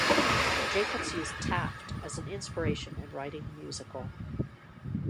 Jacobs used Taft as an inspiration in writing the musical.